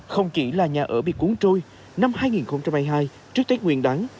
không chỉ là nhà ở bị cuốn trôi năm hai nghìn hai mươi hai trước tết nguyên đáng